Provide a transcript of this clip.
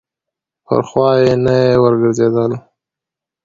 پر خوا یې نه یې ورګرځېدل.